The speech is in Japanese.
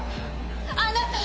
あなた！